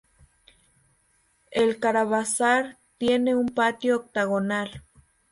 El caravasar tiene un patio octagonal.